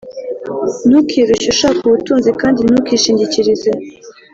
Ntukirushye ushaka ubutunzi kandi ntukishingikirize